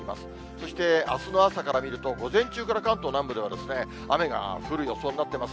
そしてあすの朝からみると、午前中から関東南部は雨が降る予想になっています。